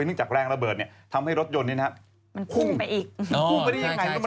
เนื่องจากแรงระเบิดทำให้รถยนต์นี้พุ่งไปได้ยังไง